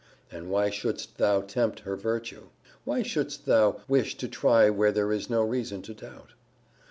And why shouldst thou tempt her virtue? Why shouldst thou wish to try where there is no reason to doubt?